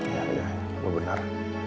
ya udah gue bener